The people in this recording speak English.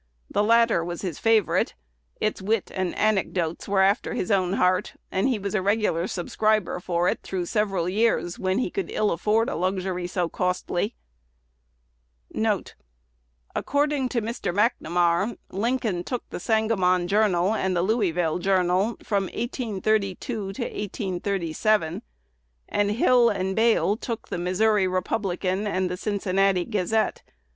1 The latter was his favorite: its wit and anecdotes were after his own heart; and he was a regular subscriber for it through several years when he could ill afford a luxury so costly. 1 According to Mr. McNamar, Lincoln took "The Sangamon Journal" and "The Louisville Journal" from 1832 to 1837; and Hill and Bale took "The Missouri Republican" and "The Cincinnati Gazette."